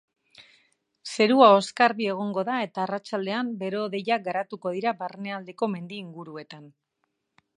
Zerua oskarbi egongo da eta arratsaldean bero-hodeiak garatuko dira barnealdeko mendi inguruetan.